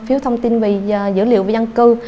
và phí thông tin về dữ liệu và dân cư